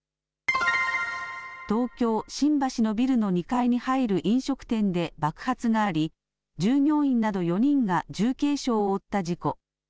東京新橋のビルの２階に入る飲食店で爆発があり従業員など４人が重軽傷を負った事故。